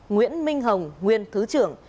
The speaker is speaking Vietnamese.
nguyễn minh hồng nguyên thứ trưởng